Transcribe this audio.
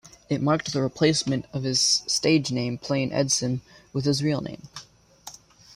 It marked the replacement of his stage name Plain Edson with his real name.